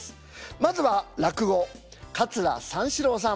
まずは落語桂三四郎さん。